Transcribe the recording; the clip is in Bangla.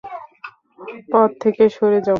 পথ থেকে সরে যাও!